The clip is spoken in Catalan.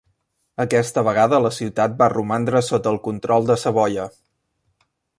Aquesta vegada la ciutat va romandre sota el control de Savoia.